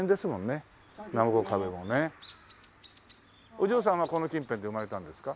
お嬢さんはこの近辺で生まれたんですか？